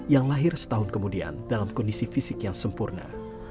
yang lahir setahun kemudian dalam kondisi fisik yang sempurna